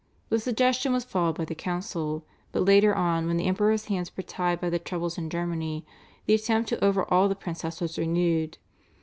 The suggestion was followed by the council, but later on when the Emperor's hands were tied by the troubles in Germany, the attempt to overawe the princess was renewed.